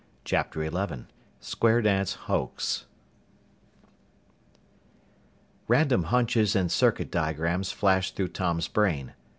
CHAPTER XI SQUARE DANCE HOAX Random hunches and circuit diagrams flashed through Tom's brain.